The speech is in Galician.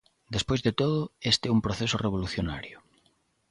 Despois de todo, este é un proceso revolucionario.